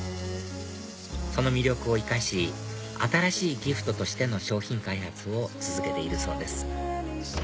その魅力を生かし新しいギフトとしての商品開発を続けているそうです